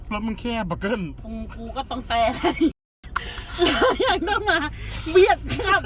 แล้วมึงแค่บักเกิ้ลอุ้งกูก็ต้องแต่อะไรยังต้องมาเบียดขับ